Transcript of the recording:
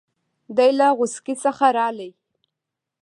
دی له غوڅکۍ څخه رالی.